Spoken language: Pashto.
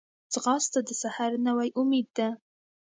ځغاسته د سحر نوی امید ده